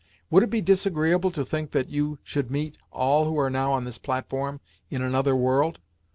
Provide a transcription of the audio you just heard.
"Would it be disagreeable to think that you should meet all who are now on this platform in another world?